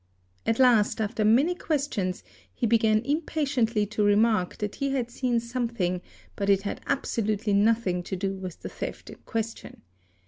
At last after many questions he began impatiently to remark that he had seen something but it had abso lutely nothing to do with the theft in question.